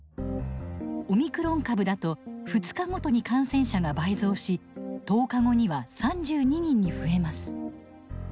オミクロン株だと２日ごとに感染者が倍増し１０日後には３２人に増えます。